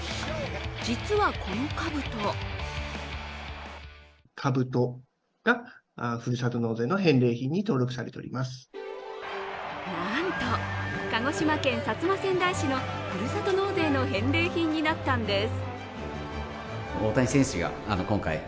実は、このかぶとなんと鹿児島県薩摩川内市のふるさと納税の返礼品になったんです。